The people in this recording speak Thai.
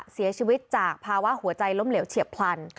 เสียชีวิตจากภาวะหัวใจล้มเหลวเฉียบพลัน